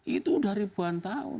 itu udah ribuan tahun